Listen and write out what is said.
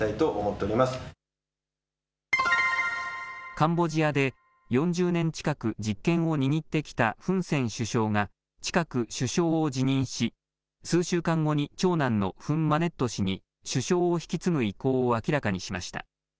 カンボジアで４０年近く実権を握ってきたフン・セン首相が、近く首相を辞任し、数週間後に長男のフン・マネット氏に首相を引き継ぐ意向を明らかにしました。